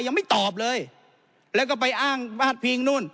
ยังไม่ตอบเลยแล้วก็ไปอ้างพาดพิงนู่น